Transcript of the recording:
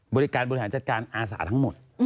บริการบริหารจัดการอาสาทั้งหมด